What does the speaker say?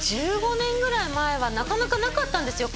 １５年ぐらい前はなかなかなかったんですよ